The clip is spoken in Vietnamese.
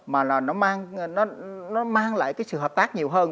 mà là nó mang lại cái sự hợp tác nhiều hơn